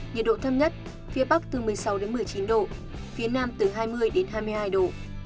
nhiệt độ thấp nhất phía bắc từ một mươi sáu đến một mươi chín độ phía nam từ hai mươi đến hai mươi hai độ